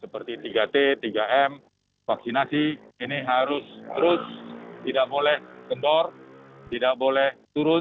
seperti tiga t tiga m vaksinasi ini harus terus tidak boleh kendor tidak boleh turun